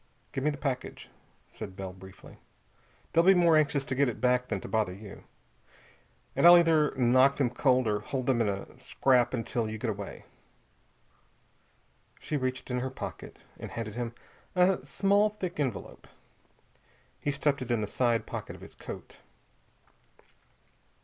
"Give me the package," said Bell briefly. "They'll be more anxious to get it back than to bother you. And I'll either knock them cold or hold them in a scrap until you get away." She reached in her pocket and handed him a small thick envelope. He stuffed it in the side pocket of his coat.